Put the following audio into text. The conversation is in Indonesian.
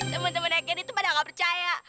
temen temennya candy tuh padahal gak percaya